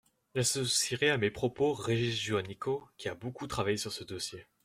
J’associerai à mes propos Régis Juanico, qui a beaucoup travaillé sur ce dossier.